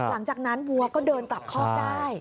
หลังจากนั้นวัวก็เดินกลับคอกได้